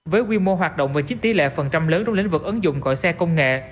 với quy mô hoạt động và chiếm tỷ lệ phần trăm lớn trong lĩnh vực ứng dụng gọi xe công nghệ